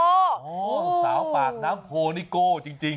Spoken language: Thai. โอ้โหสาวปากน้ำโพนี่โก้จริง